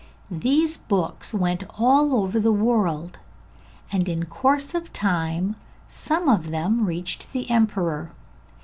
These books went all over the world, and in course of time some of them reached the emperor.